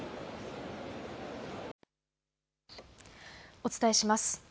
お伝えします。